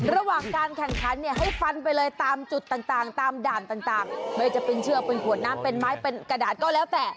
ระหว่างการแข่งขันเนี่ยให้ฟันไปเลยตามจุดต่างตามด่านต่างไม่ว่าจะเป็นเชือกเป็นขวดน้ำเป็นไม้เป็นกระดาษก็แล้วแต่